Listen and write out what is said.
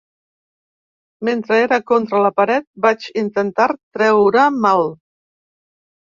Mentre era contra la paret vaig intentar treure-me’l.